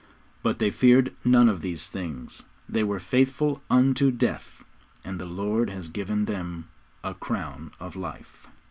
But they feared none of these things; they were faithful unto death, and the Lord has given them a crown of life.